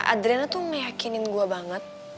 adrena tuh meyakinin gue banget